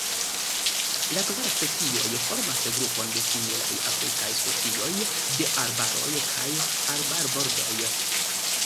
La kvar specioj formas grupon de similaj afrikaj specioj de arbaroj kaj arbarbordoj.